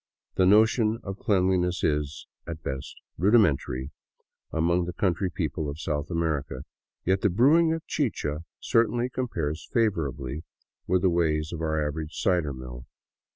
The notion of cleanliness is, at best, rudimentary among the country people of South America, yet the brewing of chicha certainly compares favorably with the ways of our average cider mill.